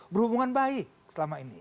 berhubungan baik selama ini